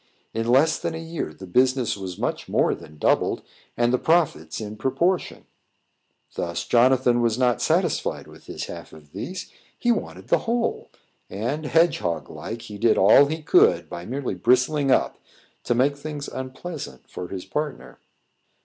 In less than a year, the business was much more than doubled, and the profits in proportion; thut Jonathan was not satisfied with his half of these he wanted the whole; and, hedge hog like, he did all he could, by merely bristling up, to make things unpleasant for his partner.